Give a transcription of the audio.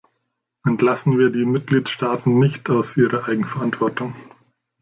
Entlassen wir die Mitgliedstaaten nicht aus ihrer Eigenverantwortung.